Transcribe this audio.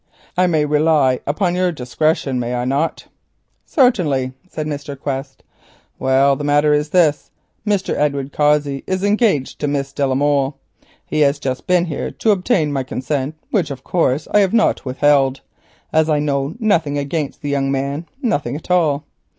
I may rely upon your discretion, may I not?" "Certainly," said Mr. Quest. "Well, the matter is this: Mr. Edward Cossey is engaged to Miss de la Molle. He has just been here to obtain my consent, which, of course, I have not withheld, as I know nothing against the young man—nothing at all.